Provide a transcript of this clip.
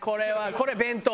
これ弁当。